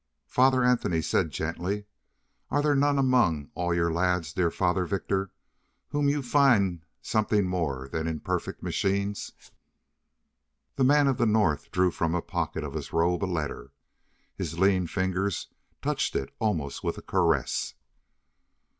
Father Anthony said gently: "Are there none among all your lads, dear Father Victor, whom you find something more than imperfect machines?" The man of the north drew from a pocket of his robe a letter. His lean fingers touched it almost with a caress.